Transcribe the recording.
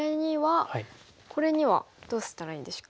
これにはどうしたらいいんでしょう？